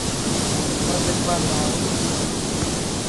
บ้านเล็กบ้านน้อย